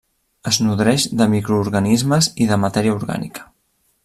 Es nodreix de microorganismes i de matèria orgànica.